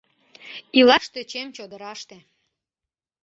Илаш тӧчем чодыраште.